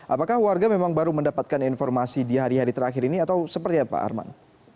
apakah warga memang baru mendapatkan informasi di hari hari terakhir ini atau seperti apa arman